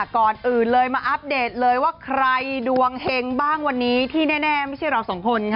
ก่อนอื่นเลยมาอัปเดตเลยว่าใครดวงเฮงบ้างวันนี้ที่แน่ไม่ใช่เราสองคนค่ะ